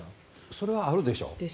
それはあるでしょう。